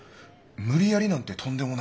無理やりなんてとんでもない。